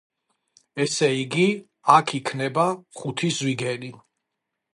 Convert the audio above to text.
ესე იგი, აქ იქნება ხუთი ზვიგენი.